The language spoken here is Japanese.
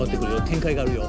展開があるよ。